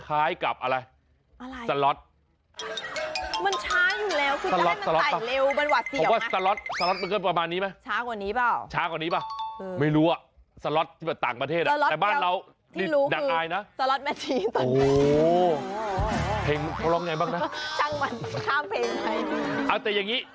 อารมณ์คล้ายกับอะไร